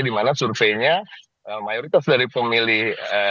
di mana surveinya mayoritas dari pemilih